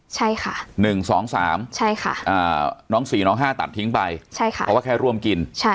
ใช่ค่ะ๑๒๓น้อง๔น้อง๕ตัดทิ้งไปเพราะว่าแค่ร่วมกิน